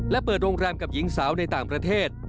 และเปิดโรงแรมกับหญิงสาวในต่างประเทศ